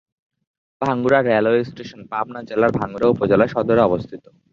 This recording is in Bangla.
ভাঙ্গুড়া রেলওয়ে স্টেশন পাবনা জেলার ভাঙ্গুড়া উপজেলা সদরে অবস্থিত।